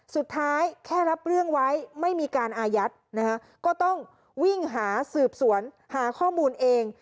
แค่รับเรื่องไว้ไม่มีการอายัดนะคะก็ต้องวิ่งหาสืบสวนหาข้อมูลเอง